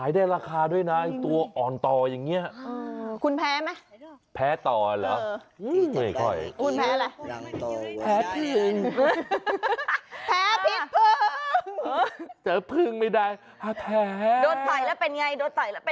อุ๊ยตายแล้วนี่ขุมทรัพย์ชั้นดีเลยนะ